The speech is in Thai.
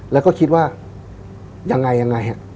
แล้วก็คิดว่ายังไงยังไงฮะ